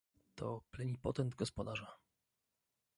"To plenipotent gospodarza."